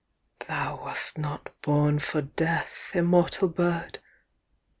7.Thou wast not born for death, immortal Bird!